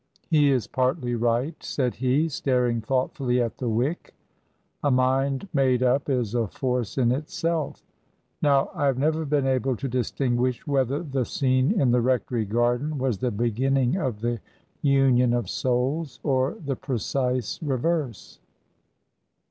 " He is partly right," said he, staring thoughtfully at the wick ;" a mind made up is a force in itself. Now, I have never been able to distinguish whether the scene in the rectory garden was the beginning of the union of souls or the precise reverse."